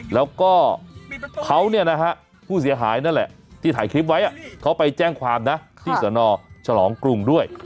แล้วก็เขาเนี่ยนะฮะผู้เสียหายนั่นแหละที่ถ่ายคลิปไว้เขาไปแจ้งความนะที่สนฉลองกรุงด้วย